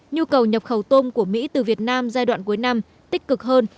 nhu cầu nhập khẩu tôm của mỹ từ việt nam giai đoạn cuối năm tích cực hơn